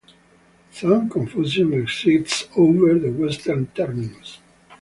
Some confusion exists over the western terminus.